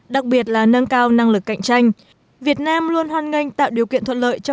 đặc biệt là nâng cao năng lực cạnh tranh việt nam luôn hoan nghênh tạo điều kiện thuận lợi cho